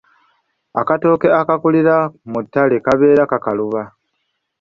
Akatooke akaakulira mu ttale kabeera kakaluba.